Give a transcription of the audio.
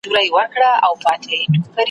نه پوهېږم ورکه کړې مي ده لاره `